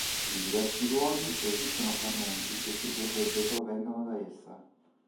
In diversi luoghi esistono frammenti che si vorrebbe provengano da essa.